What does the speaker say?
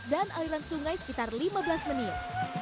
dan aliran sungai sekitar lima belas menit